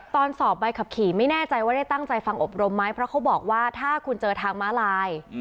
สอบใบขับขี่ไม่แน่ใจว่าได้ตั้งใจฟังอบรมไหมเพราะเขาบอกว่าถ้าคุณเจอทางม้าลาย